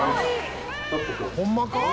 ホンマか？